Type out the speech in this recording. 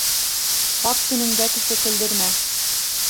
Ҡарт көнөңдә кеше көлдөрмә.